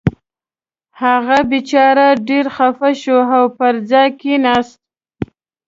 هغه بېچاره ډېر خفه شو او پر ځای کېناست.